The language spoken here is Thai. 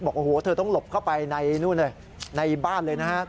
บอกว่าโอ้โหเธอต้องหลบเข้าไปในบ้านเลยนะครับ